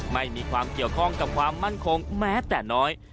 ไม่มีความเกี่ยวข้องกับความมั่นคงแม้แต่น้อย